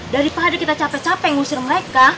daripada kita capek capek ngusir mereka